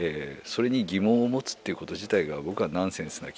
それに疑問を持つっていうこと自体が僕はナンセンスな気がする。